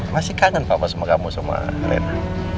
masih kangen pak sama kamu sama rena